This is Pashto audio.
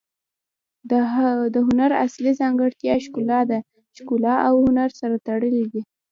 د هنر اصلي ځانګړتیا ښکلا ده. ښګلا او هنر سره تړلي دي.